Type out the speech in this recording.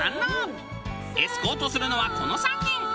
エスコートするのはこの３人。